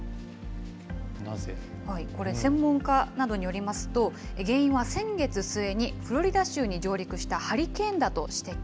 これ、専門家などによりますと、原因は先月末にフロリダ州に上陸したハリケーンだと指摘。